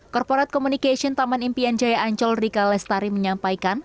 korporat komunikasi taman impian jaya ancol rika lestari menyampaikan